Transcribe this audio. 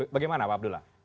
bagaimana pak abdullah